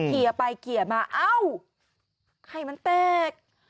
เขียวไปเขียวมาอ้าวไข่มันแตก